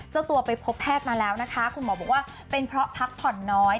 เจ้าตัวไปพบแพทย์มาแล้วนะคะคุณหมอบอกว่าเป็นเพราะพักผ่อนน้อย